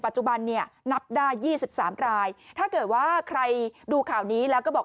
จุบันเนี่ยนับได้๒๓รายถ้าเกิดว่าใครดูข่าวนี้แล้วก็บอก